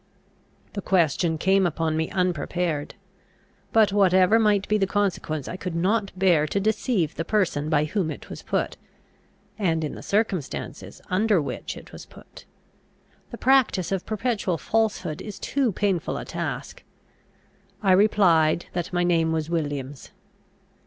The question came upon me unprepared. But, whatever might be the consequence, I could not bear to deceive the person by whom it was put, and in the circumstances under which it was put. The practice of perpetual falsehood is too painful a task. I replied, that my name was Williams.